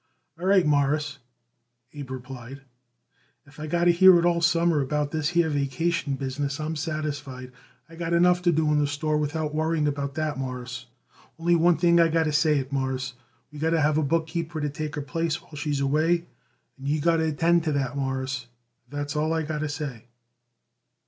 "All right, Mawruss," Abe replied; "if I got to hear it all summer about this here vacation business I'm satisfied. I got enough to do in the store without worrying about that, Mawruss. Only one thing I got to say it, Mawruss: we got to have a bookkeeper to take her place while she's away, and you got to attend to that, Mawruss. That's all I got to say."